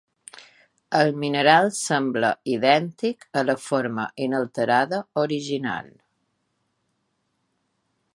El mineral sembla idèntic a la forma inalterada original.